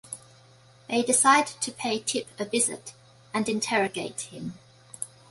They decide to pay Tip a visit and interrogate him.